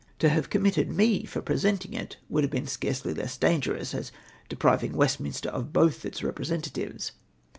To have committed me for pre senting it would have been scarcely less dangerous, as depriving Westminster of both its representatives.